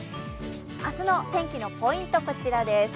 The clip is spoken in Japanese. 明日の天気のポイント、こちらです